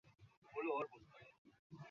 জিগি তুই ঠিক আছিস?